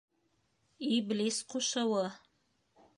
Иблис ҡушыуы.